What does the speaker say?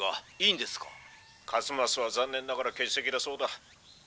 「一益は残念ながら欠席だそうだ。